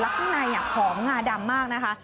ข้างในหอมงาดำมากนะคะ